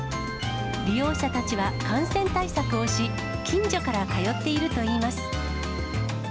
利用者たちは感染対策をし、近所から通っているといいます。